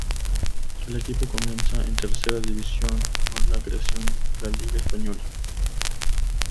El equipo comienza en Tercera División con la creación la Liga española.